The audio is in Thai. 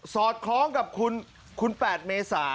อดคล้องกับคุณ๘เมษา